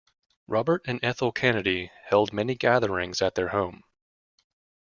Robert and Ethel Kennedy held many gatherings at their home.